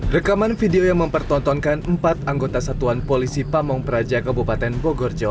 rekaman video yang mempertontonkan empat anggota satuan polisi pamungperaja kebupaten bogor jawa